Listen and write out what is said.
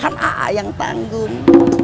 kan aaa yang tanggung